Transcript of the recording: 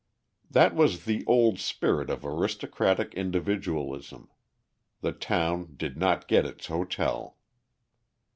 That was the old spirit of aristocratic individualism; the town did not get its hotel.